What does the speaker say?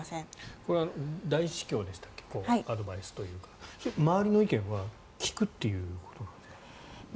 これはキリル総主教でしたっけアドバイスというか周りの意見は聞くということなんですか？